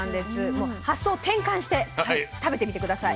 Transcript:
もう発想を転換して食べてみて下さい。